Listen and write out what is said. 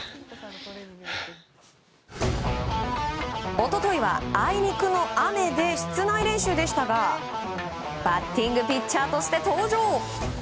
一昨日はあいにくの雨で室内練習でしたがバッティングピッチャーとして登場。